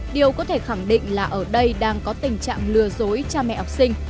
điều có thể khẳng định là ở đây đang có tình trạng lừa dối cha mẹ học sinh